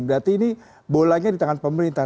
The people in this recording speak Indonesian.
berarti ini bolanya di tangan pemerintah